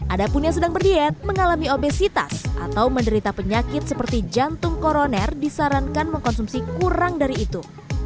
ada pun yang sedang berdiet mengalami obesitas atau menderita penyakit seperti jantung koroner disarankan mengkonsumsi kurang dari itu